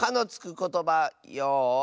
ことばよい。